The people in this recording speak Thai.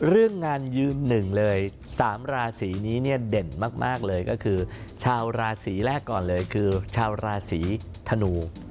เรื่องงานยืนหนึ่งเลย๓ราศีนี้เนี่ยเด่นมากเลยก็คือชาวราศีแรกก่อนเลยคือชาวราศีธนู